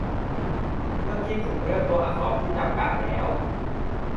เมื่อคิดถึงเรื่องตัวอักษรที่จำกัดแล้ว